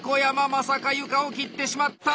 まさか床を切ってしまった！